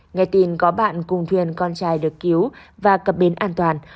nghe tin có bạn cùng thuyền con trai được cứu và cập bến an toàn